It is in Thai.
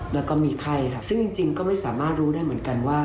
แล้วก็มีไข้ค่ะซึ่งจริงก็ไม่สามารถรู้ได้เหมือนกันว่า